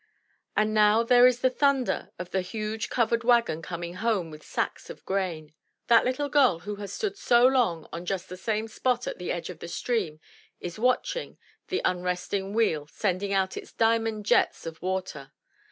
And now there is the thunder of the huge covered wagon coming home with sacks of grain. That little girl who has stood so long on just the same spot at the edge of the stream is watching the unresting wheel sending out its diamond jets of water.